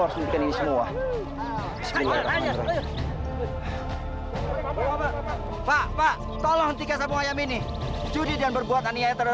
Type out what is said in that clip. saya akan buat kau menderita